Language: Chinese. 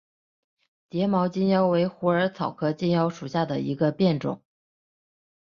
睫毛金腰为虎耳草科金腰属下的一个变种。